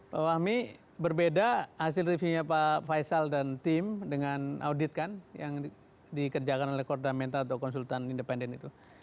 pak fahmi berbeda hasil reviewnya pak faisal dan tim dengan audit kan yang dikerjakan oleh korda menta atau konsultan independen itu